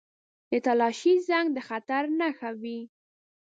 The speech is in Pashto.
• د تالاشۍ زنګ د خطر نښه وي.